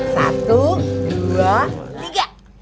satu dua tiga